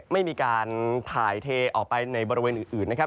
ไม่มีการถ่ายเทออกไปในบริเวณอื่นนะครับ